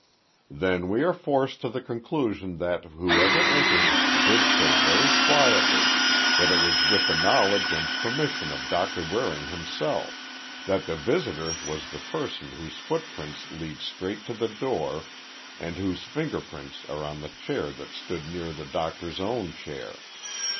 "Then we are forced to the conclusion that whoever entered did so very quietly, that it was with the knowledge and permission of Doctor Waring himself, that the visitor was the person whose footprints lead straight to the door, and whose finger prints are on the chair that stood near the Doctor's own chair.